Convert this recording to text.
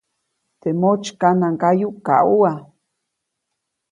Teʼ motsykanaŋgayu kaʼuʼam.